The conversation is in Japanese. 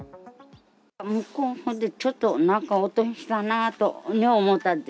向こうのほうでちょっと、なんか音がしたなと思ったんです。